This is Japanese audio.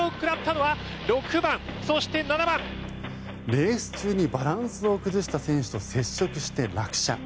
レース中にバランスを崩した選手と接触して落車。